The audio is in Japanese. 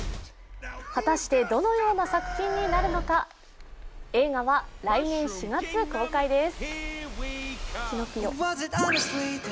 果たしてどのような作品になるのか、映画は来年４月公開です。